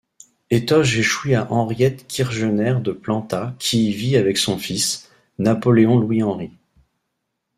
Étoges échoit à Henriette Kirgener de Planta qui y vit avec son fils, Napoléon-Louis-Henri.